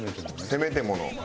せめてもの。